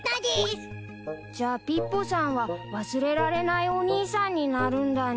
じゃあピッポさんは忘れられないお兄さんになるんだね。